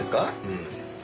うん。